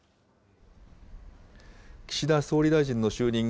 岸田総理大臣の就任後